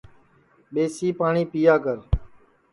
ٻیسی پاٹؔی پِیا کر